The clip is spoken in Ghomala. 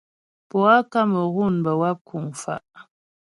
Poâ Kamerun bə́ wáp kuŋ fa'.